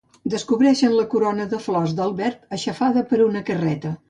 Descobreixen la corona de flors d'Albert, aixafada per una carreta.